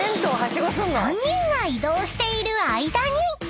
［３人が移動している間に］